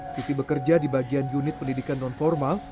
siti bekerja di bagian unit pendidikan nonformal